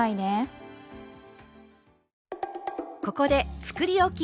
ここでつくりおき